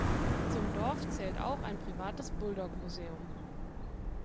Zum Dorf zählt auch ein privates Bulldog-Museum.